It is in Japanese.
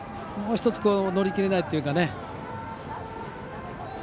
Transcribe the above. もう１つ、乗り切れないというか。